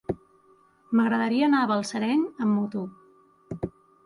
M'agradaria anar a Balsareny amb moto.